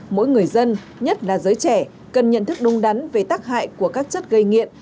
mỗi người dân nhất là giới trẻ cần nhận thức đúng đắn về tác hại của các chất gây nghiện